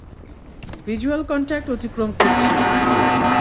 Visual contact অতিক্রম করছি।